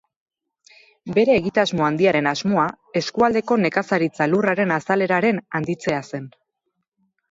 Bere egitasmo handiaren asmoa, eskualdeko nekazaritza lurraren azaleraren handitzea zen.